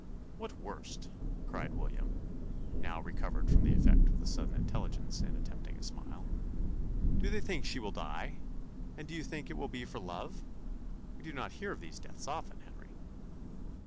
"What worst!" cried William (now recovered from the effect of the sudden intelligence, and attempting a smile). "Do they think she will die? And do you think it will be for love? We do not hear of these deaths often, Henry."